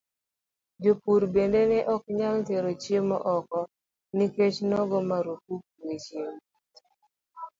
Jopur bende ne ok nyal tero chiemo oko nikech nogo marufuk weche wuoth.